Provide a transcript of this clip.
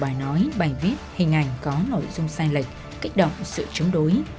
bài nói bài viết hình ảnh có nội dung sai lệch kích động sự chống đối